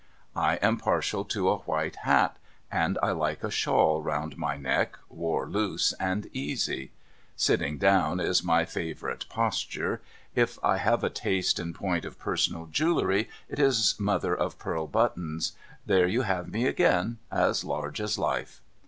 I am partial to a white hat, and I like a shawl round my neck 382 DOCTOR MARIGOLD wore loose and easy. Sitting down is my favourite posture. If I have a taste in point of personal jewelry, it is mother of pearl buttons. There you have me again, as large as life.